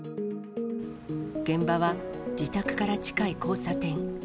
現場は自宅から近い交差点。